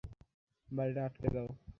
বাড়িটা আটকে দাও!